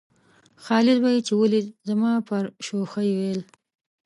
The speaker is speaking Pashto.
خالد به یې چې ولېده زما پر شوخۍ ویل.